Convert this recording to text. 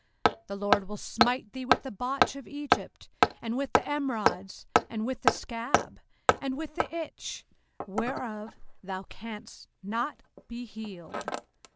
05:028:027 The LORD will smite thee with the botch of Egypt, and with the emerods, and with the scab, and with the itch, whereof thou canst not be healed.